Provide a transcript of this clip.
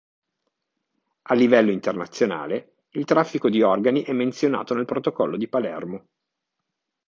A livello internazionale il traffico di organi è menzionato nel Protocollo di Palermo.